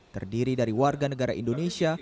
terdiri dari warga negara indonesia